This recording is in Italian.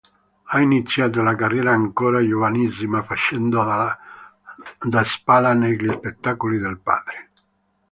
Ha iniziato la carriera ancora giovanissima facendo da spalla negli spettacoli del padre.